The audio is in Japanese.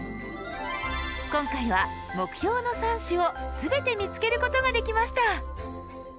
今回は目標の３種を全て見つけることができました。